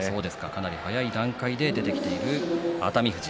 かなり早い段階で出てきている熱海富士。